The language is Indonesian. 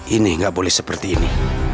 ini nggak boleh seperti ini